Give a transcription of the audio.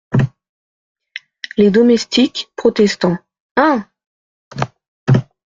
Les Domestiques , protestant. — Hein !